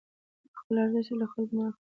خپل ارزښت دې له خلکو مه اخله،